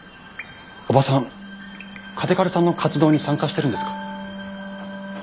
おばさん嘉手刈さんの活動に参加してるんですか？